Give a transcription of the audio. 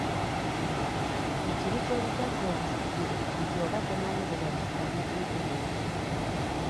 Ekibi ky'obugagga obusikire nti oba tomanyi bwe baddukanya bizinesi.